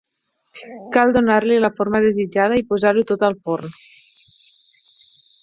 Cal donar-li la forma desitjada i posar-ho tot al forn.